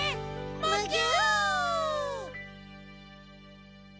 むぎゅ！